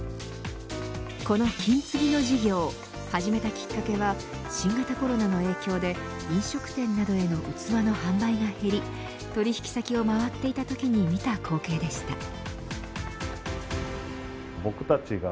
この金継ぎの事業始めたきっかけは新型コロナの影響で飲食店などへの器の販売が減り取引先を回っていたときに見た光景でした。